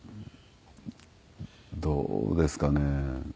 どうですかね。